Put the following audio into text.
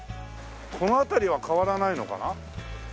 この辺りは変わらないのかな？